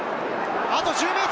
あと１０ｍ！